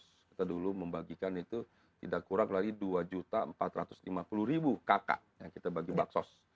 kita dulu membagikan itu tidak kurang lagi dua empat ratus lima puluh kk yang kita bagi bank sos